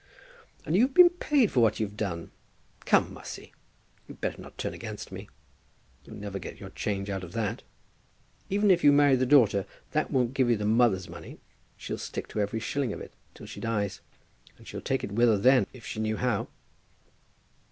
"And you've been paid for what you've done. Come, Mussy, you'd better not turn against me. You'll never get your change out of that. Even if you marry the daughter, that won't give you the mother's money. She'll stick to every shilling of it till she dies; and she'd take it with her then, if she knew how."